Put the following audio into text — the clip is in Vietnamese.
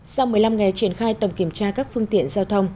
sau một mươi năm ngày triển khai tổng kiểm tra các phương tiện giao thông